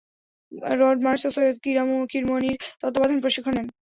Rod Marsh ও সৈয়দ কিরমাণী’র তত্ত্বাবধানে প্রশিক্ষণ নেন।